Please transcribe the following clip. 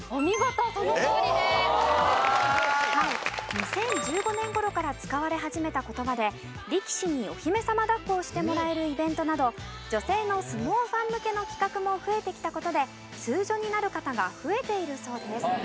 はい２０１５年頃から使われ始めた言葉で力士にお姫様抱っこをしてもらえるイベントなど女性の相撲ファン向けの企画も増えてきた事でスージョになる方が増えているそうです。